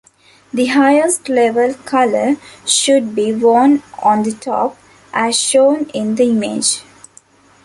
The highest-level color should be worn on the top, as shown in the image.